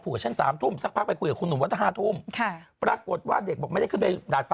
กับฉันสามทุ่มสักพักไปคุยกับคุณหนุ่มว่าถ้าห้าทุ่มค่ะปรากฏว่าเด็กบอกไม่ได้ขึ้นไปดาดฟ้า